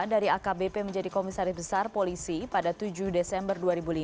dari akbp menjadi komisaris besar polisi pada tujuh desember dua ribu lima